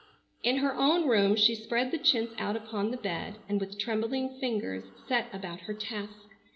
In her own room she spread the chintz out upon the bed and with trembling fingers set about her task.